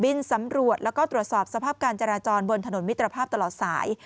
บินสำรวจและตรวจสอบสภาพการแจรจรบรถถนนมิตรภาพตรวจสาย